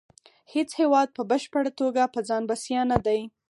هیڅ هیواد په بشپړه توګه په ځان بسیا نه دی